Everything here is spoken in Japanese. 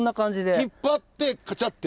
引っ張ってカチャッて。